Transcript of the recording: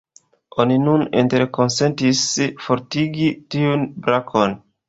Oni nun interkonsentis fortigi tiun brakon.